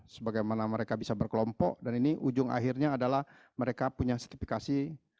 sebagaimana mereka bisa berkelompok dan ini ujung akhirnya adalah mereka punya sertifikasi